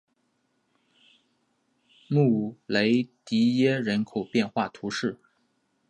穆雷迪耶人口变化图示